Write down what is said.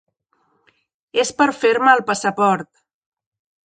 És per fer-me el passaport.